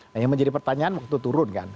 nah yang menjadi pertanyaan waktu turun kan